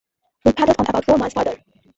We paddled on about four miles farther.